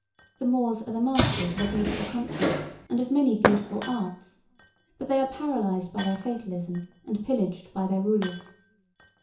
The Moors are the masters of a beautiful country and of many beautiful arts, but they are paralysed by their fatalism and pillaged by their rulers.